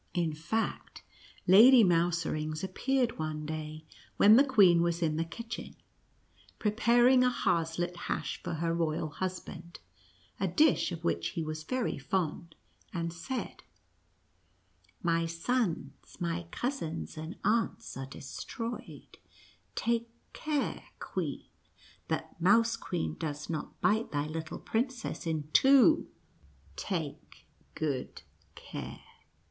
In fact, Lady Mouserings appeared one day, when the queen was in the kitchen, |>reparing a harslet hash for her royal husband, a dish of which he was very fond, and said, " My sons, my cousins and aunts are destroyed ; take care queen, that Mouse Queen does not bite thy little princess in two — take good care."